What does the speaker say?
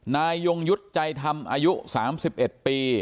นายยุงยุทธ์ใจทำอายุสามสิบเอ็ดปี